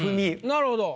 なるほど。